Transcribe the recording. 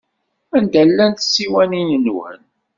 Anda llant tsiwanin-nwen?